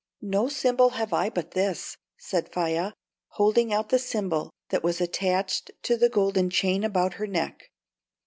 "No symbol have I but this," said Faia, holding out the symbol that was attached to the golden chain about her neck.